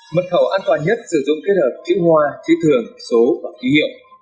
mật khẩu an toàn nhất sử dụng kết hợp chữ hoa chữ thường số và ký hiệu